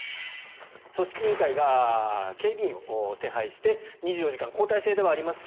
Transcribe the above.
組織委員会が警備員を手配して２４時間、交代制ではありますが